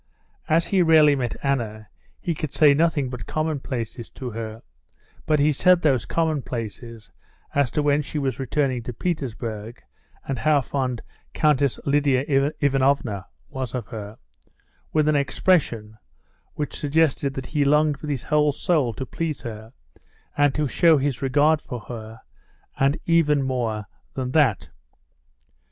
As he rarely met Anna, he could say nothing but commonplaces to her, but he said those commonplaces as to when she was returning to Petersburg, and how fond Countess Lidia Ivanovna was of her, with an expression which suggested that he longed with his whole soul to please her and show his regard for her and even more than that.